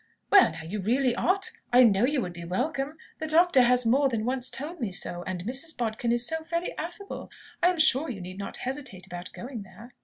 "Well, now, you really ought. I know you would be welcome. The doctor has more than once told me so. And Mrs. Bodkin is so very affable! I'm sure you need not hesitate about going there."